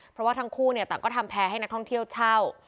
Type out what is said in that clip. เพราะว่าทั้งคู่ต่างก็ทำแพ้ให้นักท่องเที่ยวเช่า